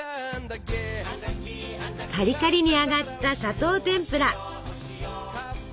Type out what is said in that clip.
カリカリに揚がった砂糖てんぷら。